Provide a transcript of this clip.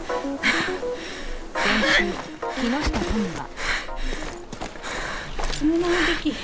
先週、木下都議は。